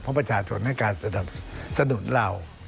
เพราะประชาชนให้การสนับสนุนเรา